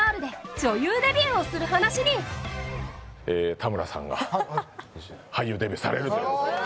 田村さんが俳優デビューされるということで。